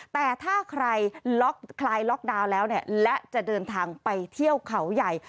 แต่ถ้าใครล็อกดาวน์แล้วและจะเดินทางไปเที่ยวเขาใหญ่